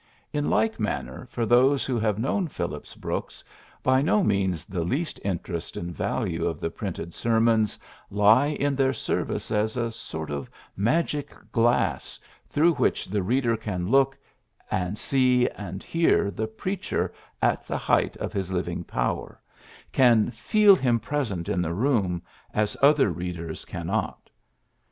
In like manner for those who have known Phillips Brooks, by no means the least interest and value of the printed ser mons lie in their service as a sort of magic glass through which the reader can look, and see and hear the preacher at the height of his living power, can ^^feel him present in the room" as other readers cannot.